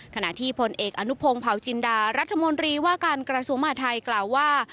ขณะที่พลเอกอนุพงศ์เผาจินดารัฐมนตรีว่าการกระทรวงมหาทัยกล่าวว่า